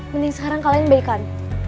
mending sekarang kalian baikan